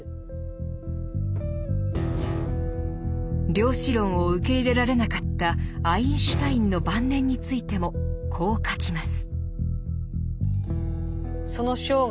量子論を受け入れられなかったアインシュタインの晩年についてもこう書きます。